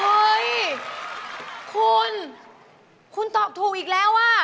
เฮ้ยคุณคุณตอบถูกอีกแล้วอ่ะ